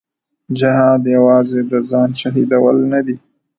جهاد یوازې د ځان شهیدول نه دي.